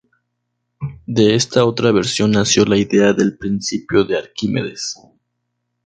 De esta otra versión nació la idea del principio de Arquímedes.